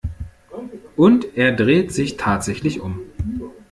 Und er dreht sich tatsächlich um.